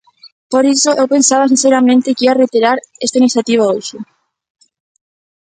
Por iso eu pensaba sinceramente que ía retirar esta iniciativa hoxe.